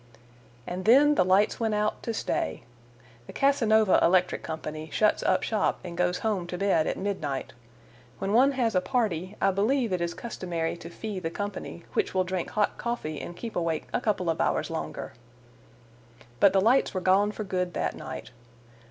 And then the lights went out to stay. The Casanova Electric Company shuts up shop and goes home to bed at midnight: when one has a party, I believe it is customary to fee the company, which will drink hot coffee and keep awake a couple of hours longer. But the lights were gone for good that night.